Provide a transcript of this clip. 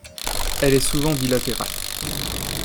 Elle est souvent bilatérale.